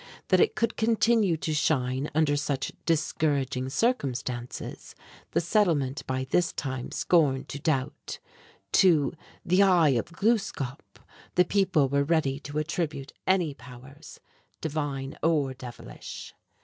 That it could continue to shine under such discouraging circumstances, the settlement by this time scorned to doubt. To "The Eye of Gluskâp" the people were ready to attribute any powers, divine or devilish.